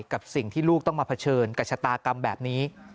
กับสิ่งที่ลูกต้องมาเผชิญกับชะตากรรมแบบนี้